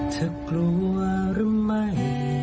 เธอกลัวหรือไม่